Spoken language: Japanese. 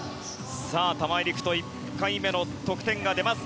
玉井陸斗、１回目の得点です。